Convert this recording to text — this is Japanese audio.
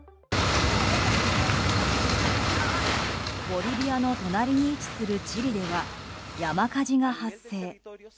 ボリビアの隣に位置するチリでは山火事が発生。